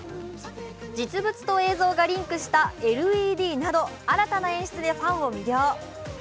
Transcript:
実物と映像がリンクしたＬＥＤなど新たな演出でファンを魅了。